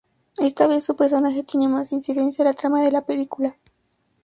Esta vez, su personaje tiene más incidencia en la trama de la película.